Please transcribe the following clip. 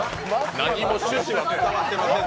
何も趣旨が伝わってません。